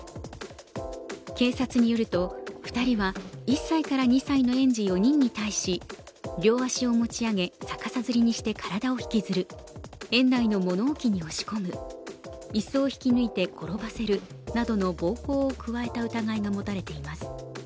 警察によると、２人は１歳から２歳の園児４人に対し、両足を持ち上げ逆さづりにして体を引きずる、園内の物置に押し込む、椅子を引き抜いて転ばせるなどの暴行を加えた疑いが持たれています。